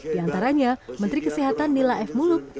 di antaranya menteri kesehatan nila f muluk